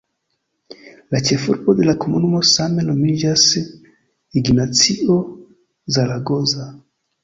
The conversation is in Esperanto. La ĉefurbo de la komunumo same nomiĝas "Ignacio Zaragoza".